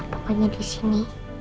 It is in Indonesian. pokoknya di sini